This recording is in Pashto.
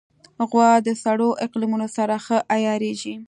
غوا د سړو اقلیمونو سره ښه عیارېږي.